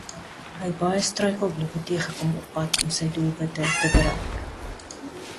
Hy het baie struikelblokke teëgekom op pad om sy doelwitte te bereik.